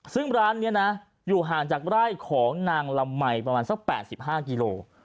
ซึ่งร้านนี้นะอยู่ห่างจากไร่ของนางละมัยประมาณสัก๘๕กิโล